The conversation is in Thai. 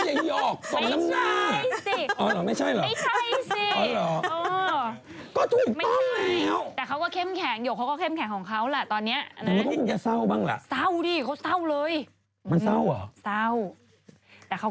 อย่างกว่าไม่มีเป็นอีกคนนึงที่เปลียร